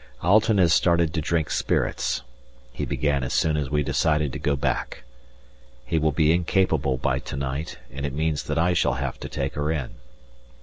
Alten has started to drink spirits; he began as soon as we decided to go back. He will be incapable by to night, and it means that I shall have to take her in.